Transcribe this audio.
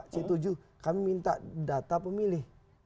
c tujuh kami minta data pemilih